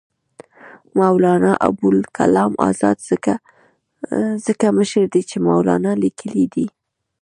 مولنا ابوالکلام آزاد ځکه مشر دی چې مولنا لیکلی دی.